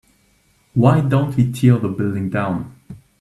why don't we tear the building down?